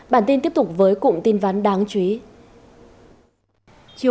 bản tin tiếp tục với